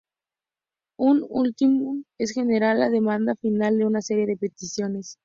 Un ultimátum es generalmente la demanda final de una serie de peticiones.